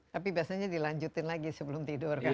tapi biasanya dilanjutin lagi sebelum tidur kan